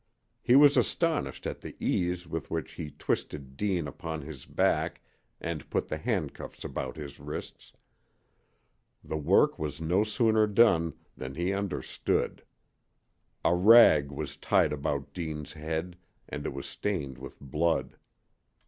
He was astonished at the ease with which he twisted Deane upon his back and put the handcuffs about his wrists. The work was no sooner done than he understood. A rag was tied about Deane's head, and it was stained with blood.